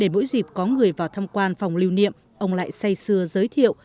mỗi dịp có người vào thăm quan phòng lưu niệm ông lại say xưa giới thiệu